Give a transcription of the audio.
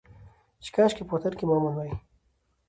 چې کاشکي په وطن کې مو امن وى.